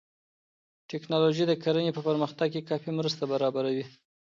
ټکنالوژي د کرنې په پرمختګ کې کافي مرسته برابروي.